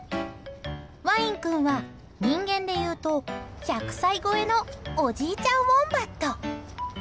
ワイン君は、人間でいうと１００歳超えのおじいちゃんウォンバット。